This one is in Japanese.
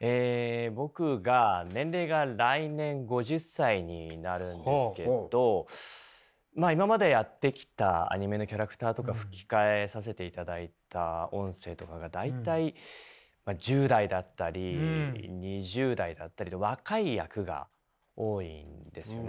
僕が年齢が来年５０歳になるんですけど今までやってきたアニメのキャラクターとか吹き替えさせていただいた音声とかが大体１０代だったり２０代であったりと若い役が多いんですよね。